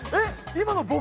今の僕？